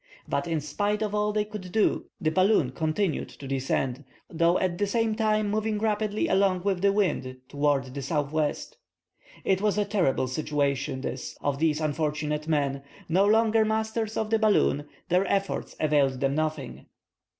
But in spite of all they could do the balloon continued to descend, though at the same time moving rapidly along with the wind toward the southwest. It was a terrible situation, this, of these unfortunate men. No longer masters of the balloon, their efforts availed them nothing.